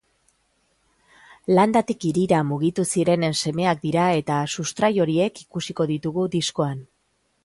Landatik hirira mugitu zirenen semeak dira eta sustrai horiek ikusiko ditugu diskoan.